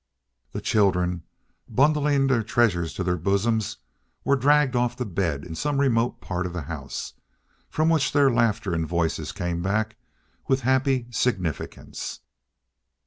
The children, bundling their treasures to their bosoms, were dragged off to bed in some remote part of the house, from which their laughter and voices came back with happy significance.